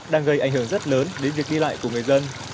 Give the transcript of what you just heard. đang gây ảnh hưởng rất lớn đến việc đi lại của người dân